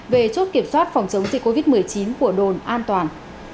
về chốt kiểm soát phòng chống dịch covid một mươi chín của đồn an toàn